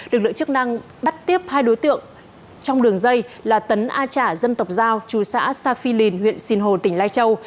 lực lượng chức năng bắt tiếp hai đối tượng trong đường dây là tấn a trả dân tộc giao trù xã sa phi lìn huyện xìn hồ tỉnh lai châu